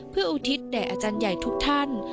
เพื่ออุทิศแด่อาจารย์ใหญ่ทุกท่าน